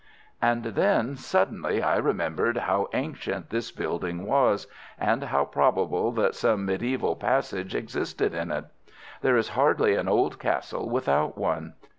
And then suddenly I remembered how ancient this building was, and how probable that some mediæval passage existed in it. There is hardly an old castle without one.